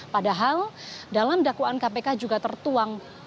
padahal dalam dakwaan kpk juga tertuang